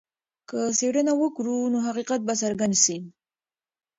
که څېړنه وکړو نو حقیقت به څرګند سي.